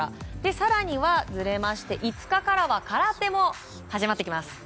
更には５日からは空手も始まってきます。